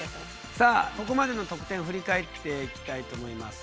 さあここまでの得点を振り返っていきたいと思います。